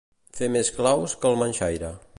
Fer més claus que el manxaire.